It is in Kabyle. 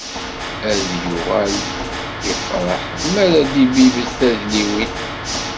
Ad d-yuɣal ifṛeḥ mi ara d-ibibb tadliwin.